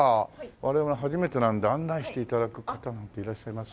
我々初めてなので案内して頂く方なんていらっしゃいます？